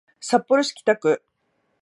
札幌市北区